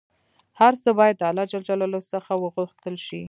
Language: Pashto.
هر څه باید د الله ﷻ څخه وغوښتل شي